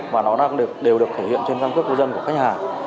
và nó đều được thể hiện trên căn cước của dân của khách hàng